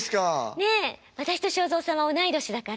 ねえ私と正蔵さんは同い年だから。